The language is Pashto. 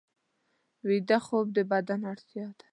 ویده خوب د بدن اړتیا ده